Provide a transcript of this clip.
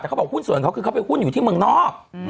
แต่เขาบอกว่าหุ้นสวนเค้าไปหุ้นอยู่ที่เมืองนอก